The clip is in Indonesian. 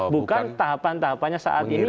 bukan tahapan tahapannya saat ini